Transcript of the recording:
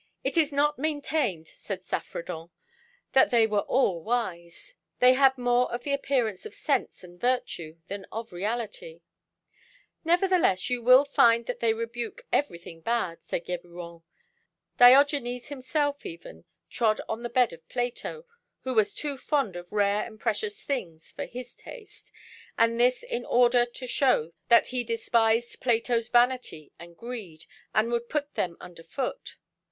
"It is not maintained," said Saffredent, "that they all were wise. They had more of the appearance of sense and virtue than of the reality." "Nevertheless, you will find that they rebuke everything bad," said Geburon. "Diogenes himself, even, trod on the bed of Plato, who was too fond (5) of rare and precious things for his taste, and this in order to show that he despised Plato's vanity and greed, and would put them under foot.